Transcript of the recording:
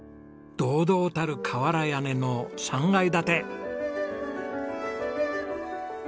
堂々たる瓦屋根の３階建て。